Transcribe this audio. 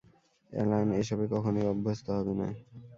Alan, এসবে কখনোই অভ্যস্ত হবে না।